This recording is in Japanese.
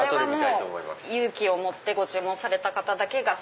勇気を持ってご注文された方が。